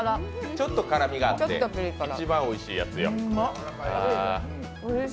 ちょっと辛みがあって一番おいしいやつや。